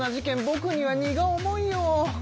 ぼくには荷が重いよ。